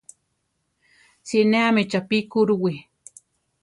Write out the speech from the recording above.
Sineámi chápi kurúwi.